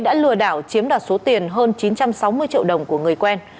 đã lừa đảo chiếm đoạt số tiền hơn chín trăm sáu mươi triệu đồng của người quen